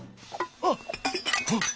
あっ！？